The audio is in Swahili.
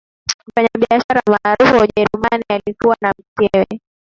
mfanyabiashara maarufu wa ujerumani alikuwa na mkewe